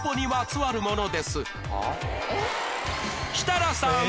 設楽さん